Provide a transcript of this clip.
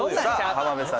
浜辺さん